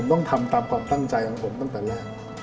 ต้องทำตามความตั้งใจของผมตั้งแต่แรก